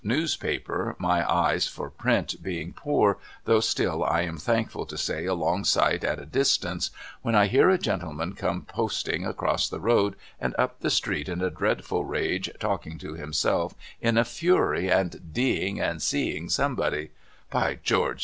LIRRIPER'S LODGINGS paper my eyes for print being poor though still I am thankful to say a long sight at a distance, when I hear a gentleman come posting across the road and up the street in a dreadful rage talking to himself in a fury and d'ing and c'ing somebody. ' By George